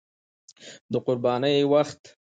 د قربانۍ وخت